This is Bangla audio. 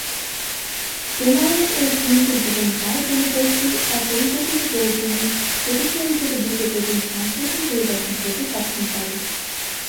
এমআরএনএ-এর সীমিত জীবনকাল কোনও কোষকে তার পরিবর্তিত প্রয়োজনের প্রতিক্রিয়া হিসাবে দ্রুত প্রোটিন সংশ্লেষণ পরিবর্তন করতে সক্ষম করে।